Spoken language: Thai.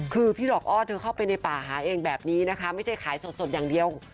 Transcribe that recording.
คือพี่ดอกอ้อเธอเข้าไปในป่าหาเองแบบนี้นะคะไม่ใช่ขายสดอย่างเดียว